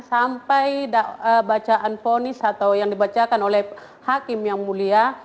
sampai bacaan ponis atau yang dibacakan oleh hakim yang mulia